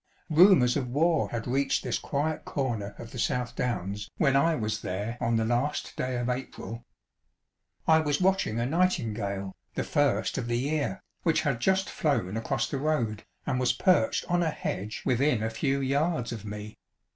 Rumours of war had reached this quiet corner of the South Downs when I was there on the last day of April. I w^as watching a nightingale, the first of the year, which had just flown across the road, and was perched on a hedge within a few yards of me.